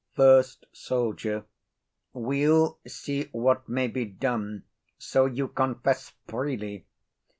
FIRST SOLDIER. We'll see what may be done, so you confess freely.